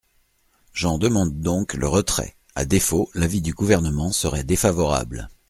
J’en demande donc le retrait ; à défaut, l’avis du Gouvernement serait défavorable.